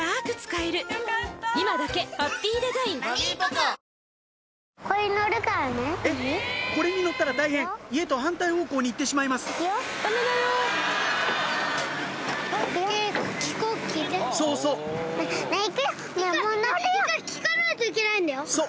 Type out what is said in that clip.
えっこれに乗ったら大変家と反対方向に行ってしまいますそうそうそう！